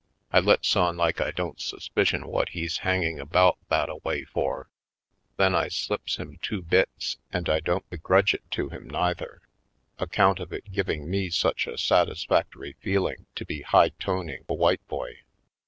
I lets on like I don't suspicion what he's hanging about that a way for. Then I slips him two bits and I don't begrudge it to him, neither, account of it giving me such a satisfactory feeling to be high toning a white boy.